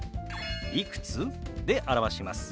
「いくつ？」で表します。